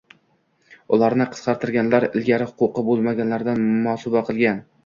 Ularni qisqartirganlar, ilgari huquqi boʻlganlardan mosuvo qilgan